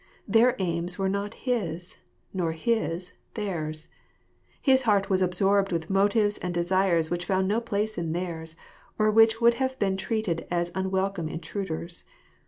Their aims were not his; nor his theirs. His heart was absorbed with motives and desires which found no place in theirs, or which would have been treated as unwelcome intruders.